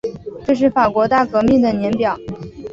这是法国大革命的年表